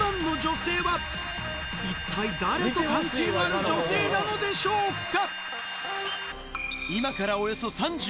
一体誰と関係のある女性なのでしょうか？